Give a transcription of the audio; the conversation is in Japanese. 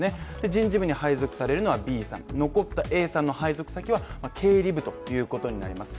人事部に配属されるのはＢさん、残ったＡさんの配属先は経理部ということになります